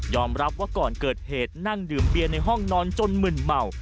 รับว่าก่อนเกิดเหตุนั่งดื่มเบียนในห้องนอนจนมึนเมา